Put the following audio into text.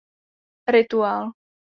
Rituál.